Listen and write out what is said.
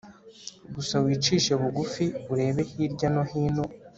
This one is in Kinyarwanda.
gusa wicishe bugufi urebe hirya no hino